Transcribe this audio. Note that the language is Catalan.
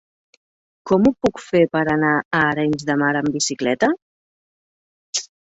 Com ho puc fer per anar a Arenys de Mar amb bicicleta?